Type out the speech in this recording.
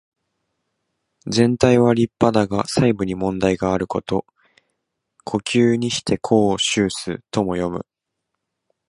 全体は立派だが細部に問題があること。「狐裘にして羔袖す」とも読む。